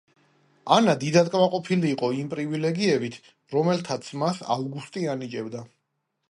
ანა დიდად კმაყოფილი იყო იმ პრივილეგიებით, რომელთაც მას ავგუსტი ანიჭებდა.